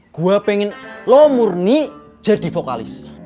gue pengen lo murni jadi vokalis